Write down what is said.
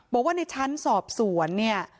บอกว่าในชั้นสอบสวนเนี่ย